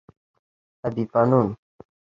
ابي فنون